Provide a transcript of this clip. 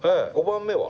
５番目は？